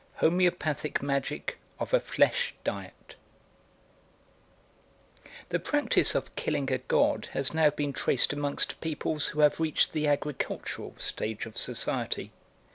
LI. Homeopathic Magic of a Flesh Diet THE PRACTICE of killing a god has now been traced amongst peoples who have reached the agricultural stage of society.